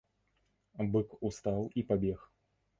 Бык устаў і пабег.